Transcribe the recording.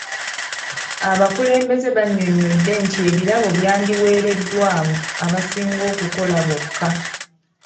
Abakulembeze bannyonnyodde nti ebirabo byandiweereddwa abo abasinga okukola bokka.